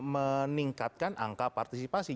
meningkatkan angka partisipasi